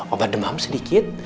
obat demam sedikit